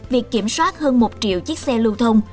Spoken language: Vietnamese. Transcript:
việc kiểm soát hơn một triệu chiếc xe lưu thông